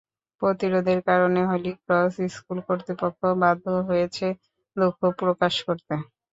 প্রতিরোধের কারণেই Holy Cross School কর্তৃপক্ষ বাধ্য হয়েছে দুঃখ প্রকাশ করতে।